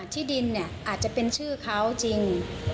ที่ดินเนี่ยอาจจะเป็นชื่อเขาจริง